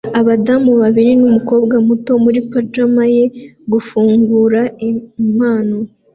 Abadamu babiri numukobwa muto muri pajama ye gufungura impano